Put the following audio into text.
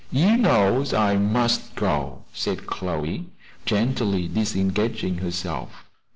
You knows I must go," said Chloe, gently disengaging herself.